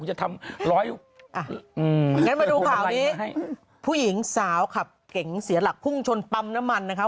งั้นมาดูข่าวนี้ผู้หญิงสาวขับเก๋งเสียหลักพุ่งชนปั๊มน้ำมันนะคะ